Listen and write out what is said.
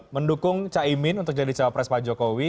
mendukung caimin untuk jadi cawapres pak jokowi